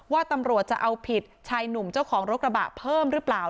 ว่าตำรวจจะเอาผิดชายหนุ่มเจ้าของรถกระบะเพิ่มหรือเปล่า